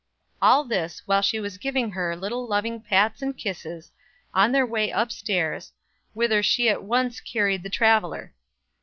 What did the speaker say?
All this while she was giving her loving little pats and kisses, on their way up stairs, whither she at once carried the traveler.